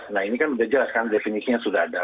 nah ini kan sudah dijelaskan definisinya sudah ada